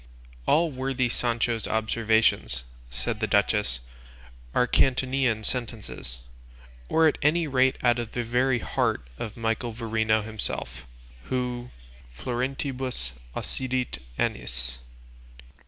"All worthy Sancho's observations," said the duchess, "are Catonian sentences, or at any rate out of the very heart of Michael Verino himself, who florentibus occidit annis.